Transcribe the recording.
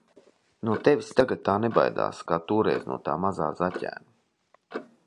No tevis tagad tā nebaidās, kā toreiz no tā mazā zaķēna.